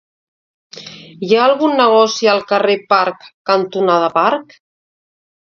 Hi ha algun negoci al carrer Parc cantonada Parc?